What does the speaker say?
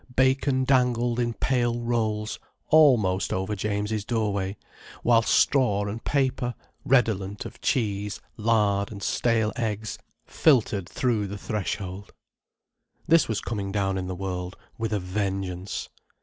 Bacon dangled in pale rolls almost over James' doorway, whilst straw and paper, redolent of cheese, lard, and stale eggs filtered through the threshold. This was coming down in the world, with a vengeance.